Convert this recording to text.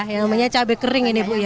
yang namanya cabai kering ini bu ya